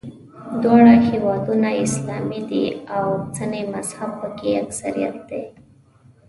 دواړه هېوادونه اسلامي دي او سني مذهب په کې اکثریت دی.